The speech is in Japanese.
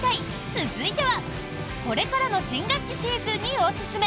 続いてはこれからの新学期シーズンにおすすめ！